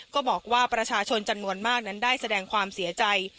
ก็บอกว่าประชาชนจำนวนมากนั้นได้แสดงความเสียใจ